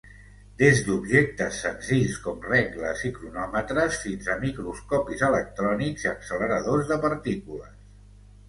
Des d'objectes senzills com regles i cronòmetres fins a microscopis electrònics i acceleradors de partícules.